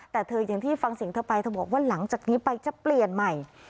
แต่เธออย่างที่ฟังเสียงเธอไปเธอบอกว่าหลังจากนี้ไปจะเปลี่ยนใหม่